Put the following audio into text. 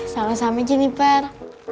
salam sama jiniper